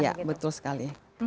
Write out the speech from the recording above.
ya betul sekali